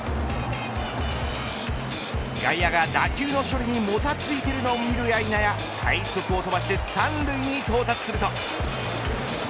外野が打球の処理にもたついているのを見るやいなや快足を飛ばして３塁に到達すると。